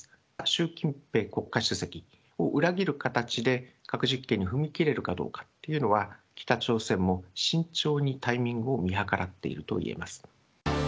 習近平国家主席を裏切る形で、核実験に踏み切れるのかどうかというのは、北朝鮮も慎重にタイミングを見計らっているといえます。